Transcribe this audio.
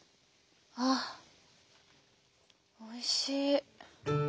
ああおいしい。